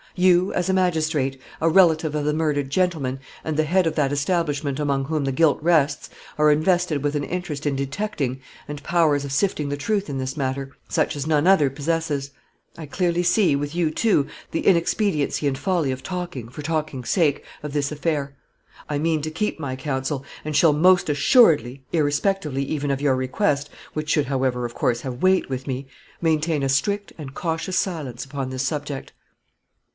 You, as a magistrate, a relative of the murdered gentleman, and the head of that establishment among whom the guilt rests, are invested with an interest in detecting, and powers of sifting the truth in this matter, such as none other possesses. I clearly see, with you, too, the inexpediency and folly of talking, for talking's sake, of this affair. I mean to keep my counsel, and shall most assuredly, irrespectively even of your request which should, however, of course, have weight with me maintain a strict and cautious silence upon this subject."